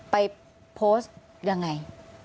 ไปโพสต์ละไง